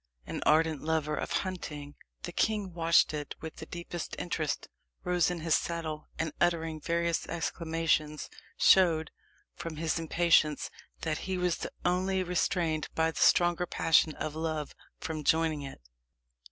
An ardent lover of hunting, the king watched it with the deepest interest, rose in his saddle, and uttering various exclamations, showed, from his impatience, that he was only restrained by the stronger passion of love from joining it.